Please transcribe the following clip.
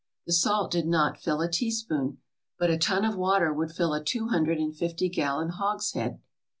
The salt did not fill a teaspoon. But a ton of water would fill a two hundred and fifty gallon hogshead.